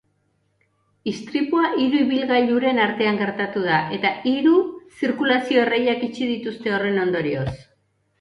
Istripua hiru ibilgailuren artean gertatu da eta hiru zirkulazio-erreiak itxi dituzte horren ondorioz.